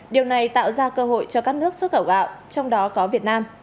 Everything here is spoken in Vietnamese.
điều này tạo ra cơ hội cho các nước xuất khẩu gạo trong đó có việt nam